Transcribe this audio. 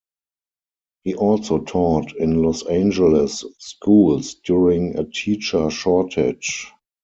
He also taught in Los Angeles schools during a teacher shortage.